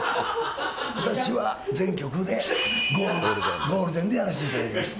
私は全局でゴールデンでやらせていただきました。